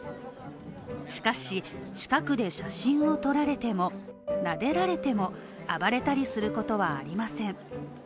しかし、近くで写真を撮られても、なでられても、暴れたりすることはありません。